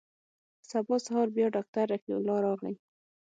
سبا سهار بيا ډاکتر رفيع الله راغى.